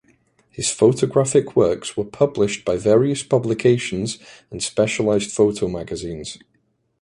His photographic works were published by various publications and specialized photo magazines.